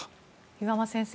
岩間先生